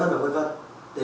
để làm sao bố trí